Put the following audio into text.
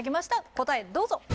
答えどうぞ。